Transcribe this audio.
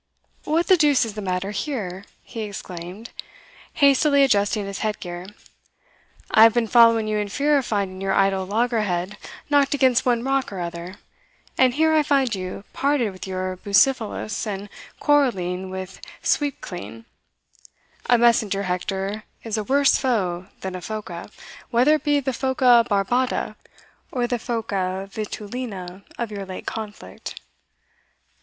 "What the deuce is the matter here?" he exclaimed, hastily adjusting his head gear; "I have been following you in fear of finding your idle loggerhead knocked against one rock or other, and here I find you parted with your Bucephalus, and quarrelling with Sweepclean. A messenger, Hector, is a worse foe than a phoca, whether it be the phoca barbata, or the phoca vitulina of your late conflict."